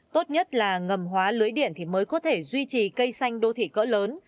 tốt nhất là ngầm hóa lưới điện thì mới có thể duy trì cây xanh đô thị cỡ lớn